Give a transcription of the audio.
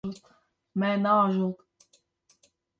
Me neajot.